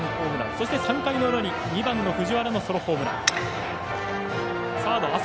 そして３回の裏に２番藤原のソロホームラン。